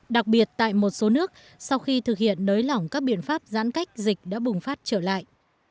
đặc biệt tại một số nước sau khi thực hiện nới lỏng các biện pháp giãn cách dịch đã bùng phát trở lại